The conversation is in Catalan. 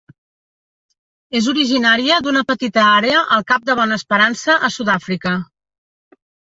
És originària d'una petita àrea al Cap de Bona Esperança a Sud-àfrica.